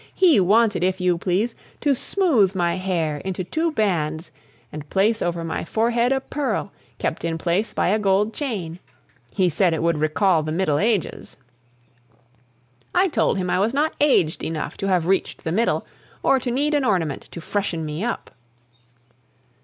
He wanted, if you please, to smooth my hair into two bands, and place over my forehead a pearl, kept in place by a gold chain! He said it would recall the Middle Ages. I told him I was not aged enough to have reached the middle, or to need an ornament to freshen me up!